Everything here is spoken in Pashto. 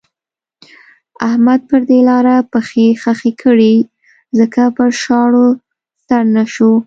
احمد پر دې لاره پښې خښې کړې ځکه پر شاړو سر نه شو.